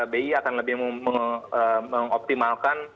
bi akan lebih mengoptimalkan